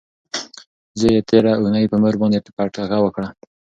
زوی یې تیره اونۍ په مور باندې پټکه وکړه.